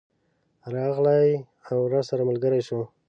راغلی او راسره ملګری شو.